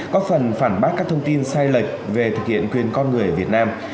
có phần phản bác các thông tin sai lệch về thực hiện quyền con người việt nam